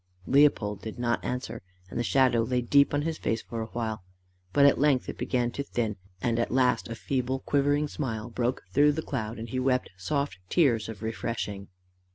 Leopold did not answer, and the shadow lay deep on his face for a while; but at length it began to thin, and at last a feeble quivering smile broke through the cloud, and he wept soft tears of refreshing.